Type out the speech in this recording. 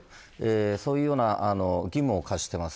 そういうような義務を課しています。